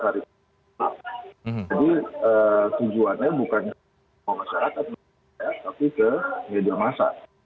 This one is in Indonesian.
jadi tujuannya bukan ke masyarakat tapi ke media masyarakat